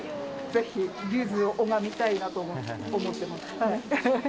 ぜひ、ゆづを拝みたいなと思ってます。